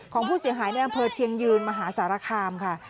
ของผู้เสียหายในอำเภอเชียงยืนมหาสารคามค่ะ